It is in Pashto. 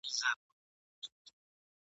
ما خو له خلوته لا پخوا توبه ایستلې وه !.